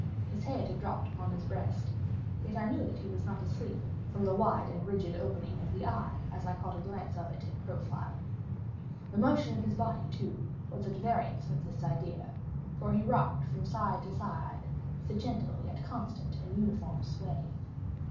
His head had dropped upon his breast—yet I knew that he was not asleep, from the wide and rigid opening of the eye as I caught a glance of it in profile. The motion of his body, too, was at variance with this idea—for he rocked from side to side with a gentle yet constant and uniform sway.